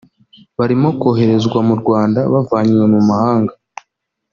barimo koherezwa mu Rwanda bavanywe mu mahanga